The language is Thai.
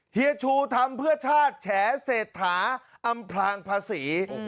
เฮียชูทำเพื่อชาติแฉเศรษฐาอำพลางภาษี